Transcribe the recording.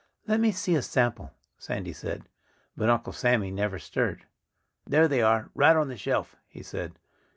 "Let me see a sample," Sandy said. But Uncle Sammy never stirred. "There they are, right on the shelf!" he said.